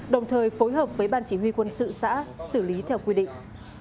đồng thời phối hợp với ban chỉ huy quân sự xã xử lý theo quy định